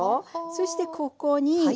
そしてここに水。